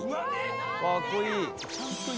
「かっこいい！」